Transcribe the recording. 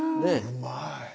うまい。